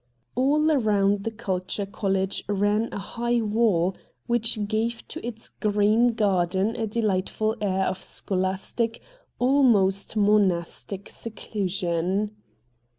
All round the Culture College ran a high wall, which gave to its green garden a dehghtful air of scholastic, almost monastic seclusion.